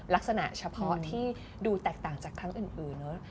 ลักษณะเฉพาะที่ดูแตกต่างจากครั้งอื่นเนอะ